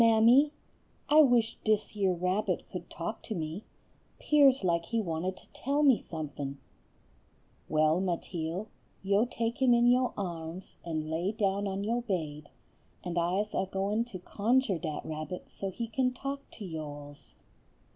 "Mammy, I wish dis yer rabbit could talk to me; 'pears like he wanted to tell me somefin'." "Well, Mateel, yo take him in yo arms and lay down on yo baid, and I's a goin' to conjur' dat rabbit so he kin talk to yo alls."